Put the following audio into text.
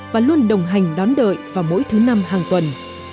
và luôn đồng hành đón đợi vào mỗi thứ năm hàng tuần